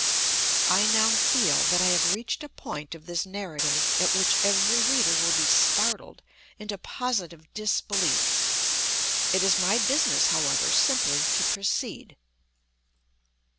I now feel that I have reached a point of this narrative at which every reader will be startled into positive disbelief. It is my business, however, simply to proceed.